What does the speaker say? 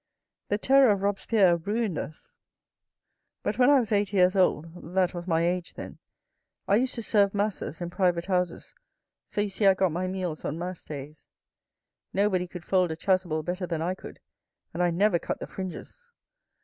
The Terror of Robespierre ruined us, but when I was eight years old, that was my age then, I used to serve masses in private houses, so you see I got my meals on mass days. Nobody could fold a chasuble better than I could, and I never cut the fringes.